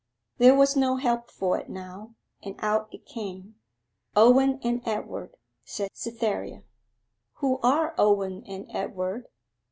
There was no help for it now, and out it came. 'Owen and Edward,' said Cytherea. 'Who are Owen and Edward?